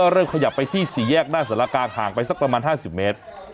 เริ่มขยับไปที่๔แยกหน้าสถานการณ์ห่างไปสักประมาณ๕๐เมตร